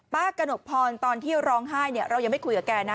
กระหนกพรตอนที่ร้องไห้เรายังไม่คุยกับแกนะ